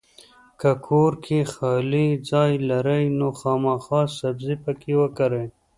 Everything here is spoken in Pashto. کۀ کور کې خالي ځای لرئ نو خامخا سبزي پکې وکرئ!